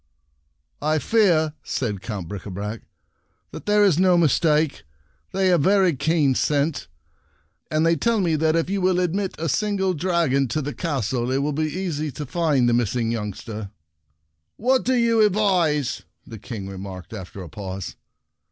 "I fear," said Count Brica brac, "that there is no mistake. They have very keen scent, and they tell me that if you will ad mit a single dragon to the castle it will be easy to find the miss ing youngster." " What do you advise ?" the King remarked, after a pause.